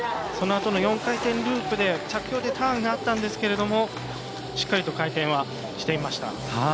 そのあとの４回転ループで着氷でターンがあったんですがしっかり回転はしていました。